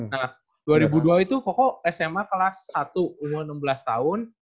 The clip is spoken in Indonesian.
nah dua ribu dua itu koko sma kelas satu umur enam belas tahun